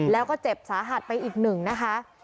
แล้วก็เจ็บสาหัสไปอีกหนึ่งนะคะ